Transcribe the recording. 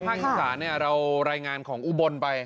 ภาคอีกษาเนี่ยเรารายงานของอุบลไป